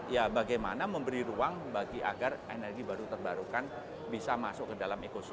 ya bagaimana memberi ruang bagi agar energi baru terbarukan bisa masuk ke dalam ekosiste